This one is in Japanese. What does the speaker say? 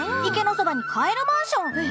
池のそばに「カエルマンション」。